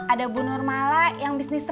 ada bu nur malai yang bisa berkata